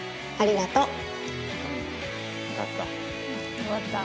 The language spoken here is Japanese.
ありがとう。